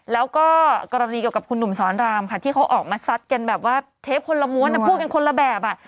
แล้วก็กรณีเกี่ยวกับคุณหนุ่มสอนรามค่ะที่เขาออกมาซัดกันแบบว่าเทปคนละม้วนพูดกันคนละแบบ